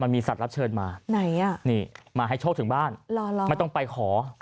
มีสัตว์รับเชิญมาไหนอ่ะนี่มาให้โชคถึงบ้านไม่ต้องไปขอ